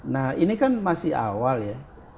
nah ini kan masih awal ya